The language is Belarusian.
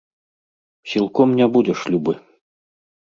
Сілком не будзеш любы.